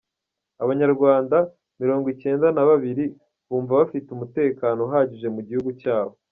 Abanyarwanda Mirongocyenda Na babiri bumva bafite umutekano uhagije mu gihugu cyabo